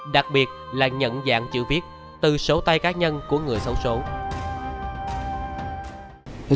đặc biệt là nhận dạng chữ viết từ số tay cá nhân của người xấu xấu